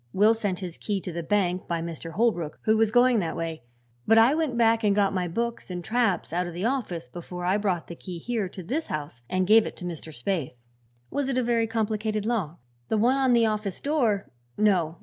Will sent his key to the bank by Mr. Holbrook, who was going that way, but I went back and got my books and traps out of the office before I brought the key here to this house and gave it to Mr. Spaythe." "Was it a very complicated lock?" "The one on the office door? No.